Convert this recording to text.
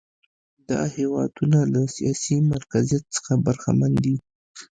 دا هېوادونه له سیاسي مرکزیت څخه برخمن دي.